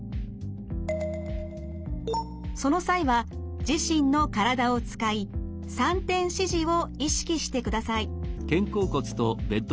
その際は自身の体を使い３点支持を意識してください。